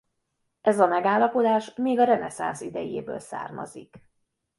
Ez a megállapodás még a reneszánsz idejéből származik.